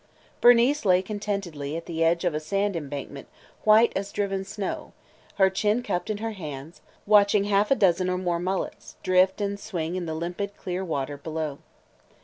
Bernice lay contentedly at the edge of a sand embankment white as driven snow, her chin cupped in her hands, watching half a dozen or more mullets drift and swing in the limpid clear water below.